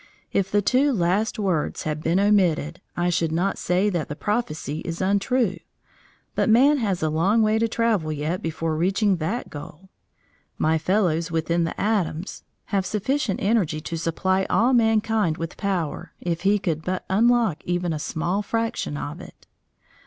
If the two last words had been omitted I should not say that the prophecy is untrue, but man has a long way to travel yet before reaching that goal. My fellows within the atoms have sufficient energy to supply all mankind with power if he could but unlock even a small fraction of it.